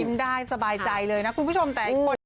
อะไรแบบนี้นะคะ